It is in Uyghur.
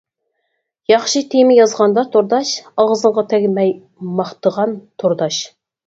ياخشى تېما يازغاندا تورداش، ئاغزىڭغا تەگمەي ماختىغان تورداش.